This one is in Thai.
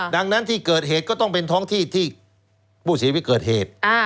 ดังนั้นที่เกิดเหตุก็ต้องเป็นท้องที่ที่ผู้เสียชีวิตเกิดเหตุ